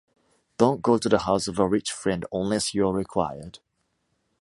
Don’t go to the house of a rich friend unless you are required.